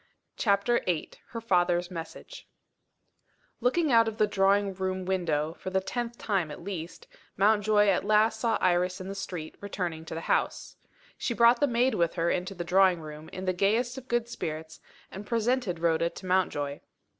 CHAPTER VIII HER FATHER'S MESSAGE LOOKING out of the drawing room window, for the tenth time at least, Mountjoy at last saw Iris in the street, returning to the house. She brought the maid with her into the drawing room, in the gayest of good spirits, and presented Rhoda to Mountjoy.